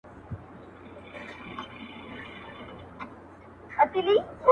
ابن مريمه زما له سيورې مه ځه,